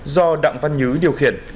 do đặng văn nhứ điều khiển